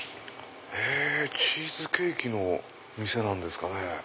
へぇチーズケーキの店なんですかね。